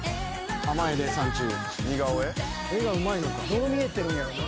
どう見えてるんやろな。